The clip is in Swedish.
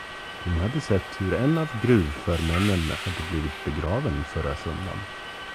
Hon hade sett hur en av gruvförmännen hade blivit begraven förra söndagen.